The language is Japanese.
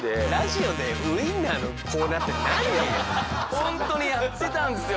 本当にやってたんですよ